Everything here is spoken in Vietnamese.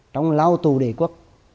trong lao tù đề quốc